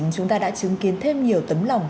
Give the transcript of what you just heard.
chúng ta đã chứng kiến thêm nhiều tấm lòng